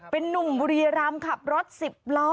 เป็นนุ่มบุรีรำขับรถ๑๐ล้อ